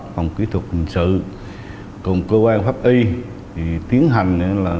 phòng kỹ thuật hình sự cùng cơ quan pháp y tiến hành